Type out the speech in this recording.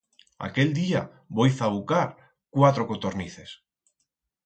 Aquel diya voi zabucar cuatro cotornices.